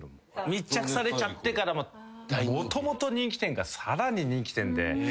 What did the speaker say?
密着されちゃってからもともと人気店がさらに人気店で。